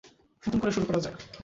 নতুন করে শুরু করা যাক।